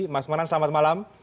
mas manan selamat malam